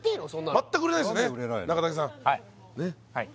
全く売れないんですね